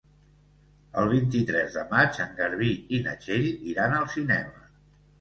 El vint-i-tres de maig en Garbí i na Txell iran al cinema.